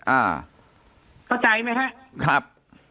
อ่าเข้าใจไหมครับ